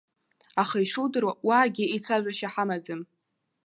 Аха, ишудыруа, уаагьы еицәажәашьа ҳамаӡам.